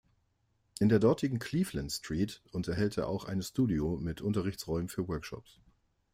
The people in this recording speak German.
In der dortigen Cleveland Street unterhält er auch ein Studio mit Unterrichtsräumen für Workshops.